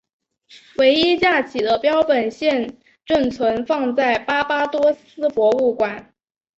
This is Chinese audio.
唯一架起的标本现正存放在巴巴多斯博物馆。